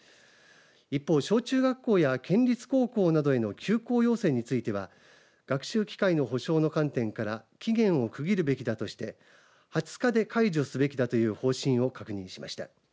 一方小中学校や県立高校などへの休校要請については学習機会の保障の観点から期限を区切るべきだとして２０日で解除すべきだという方針を確認しました。